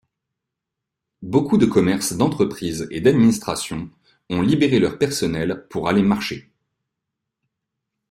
Beaucoup de commerces, d'entreprises et d'administrations ont libéré leur personnel pour aller marcher.